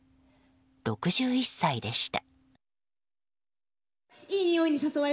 ６１歳でした。